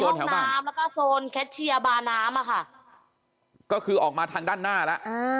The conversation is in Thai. ห้องน้ำแล้วก็โฟนแคชเชียร์บาน้ำอ่ะค่ะก็คือออกมาทางด้านหน้าแล้ว